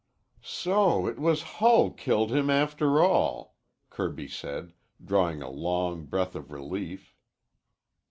"So it was Hull killed him, after all," Kirby said, drawing a long breath of relief.